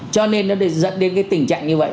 cho nên nó dẫn đến cái tình trạng như vậy